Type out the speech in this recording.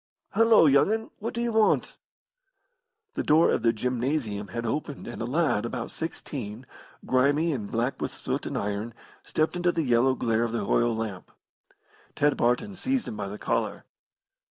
Hullo, young 'un, what do you want?" The door of the gymnasium had opened and a lad, about sixteen, grimy and black with soot and iron, stepped into the yellow glare of the oil lamp. Ted Barton seized him by the collar.